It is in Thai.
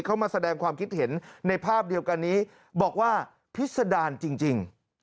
เข้ามาแสดงความคิดเห็นในภาพเดียวกันนี้บอกว่าพิษดารจริง